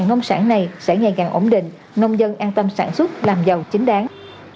nông sản này sẽ ngày càng ổn định nông dân an tâm sản xuất làm giàu chính đáng